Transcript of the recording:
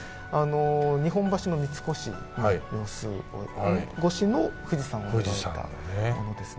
日本橋の三越の越しの富士山を描いたものですね。